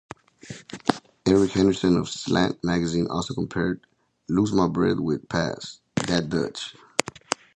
Eric Henderson of Slant Magazine also compared "Lose My Breath with "Pass That Dutch".